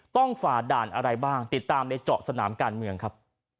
ฝ่าด่านอะไรบ้างติดตามในเจาะสนามการเมืองครับ